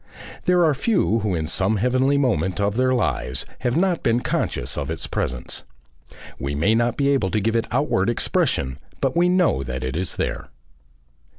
There are few who in some heavenly moment of their lives have not been conscious of its presence. We may not be able to give it outward expression, but we know that it is there."